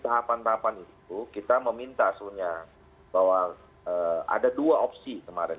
tahapan tahapan itu kita meminta sebenarnya bahwa ada dua opsi kemarin